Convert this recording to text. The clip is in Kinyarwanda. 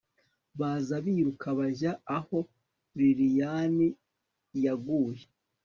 baza biruka bajya aho lilian yaguye